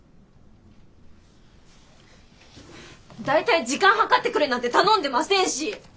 大体時間計ってくれなんて頼んでませんし。